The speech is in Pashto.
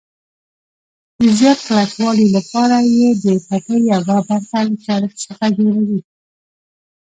د زیات کلکوالي لپاره یې د پټۍ یوه برخه له چرم څخه جوړوي.